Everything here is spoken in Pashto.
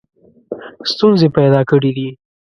ستونزې پیدا کړي دي.